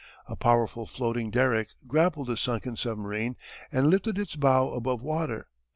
A powerful floating derrick grappled the sunken submarine and lifted its bow above water.